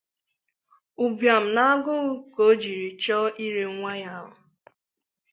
ụbịam na agụụ ka o jiri chọọ ire nwa ya ahụ